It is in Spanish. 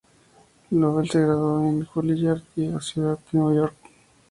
Lovell se graduó en Juilliard, Ciudad de Nueva York.